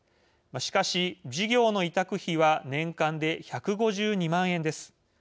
しかし、事業の委託費は年間で１５２万円です。